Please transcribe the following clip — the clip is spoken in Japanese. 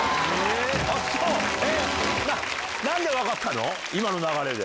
なんで分かったの？